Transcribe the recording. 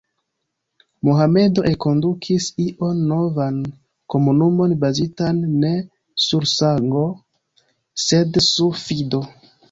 Mohamedo enkondukis ion novan: komunumon bazitan ne sur sango, sed sur fido.